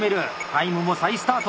タイムも再スタート。